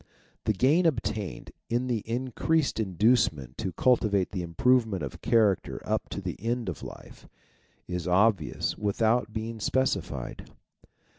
The gain obtained in the increased inducement to cultivate the improvement of character up to the end of life, is obvious without being specified.